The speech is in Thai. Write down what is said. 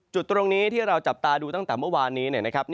จุดตรงนี้ที่เราจับตาดูตั้งแต่เมื่อวานนี้นะครับ